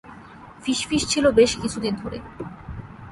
ফিসফিস ছিল বেশ কিছুদিন ধরে।